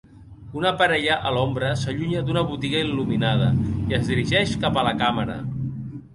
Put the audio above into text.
Una parella a l'ombra s'allunya d'una botiga il·luminada i es dirigeix cap a la càmera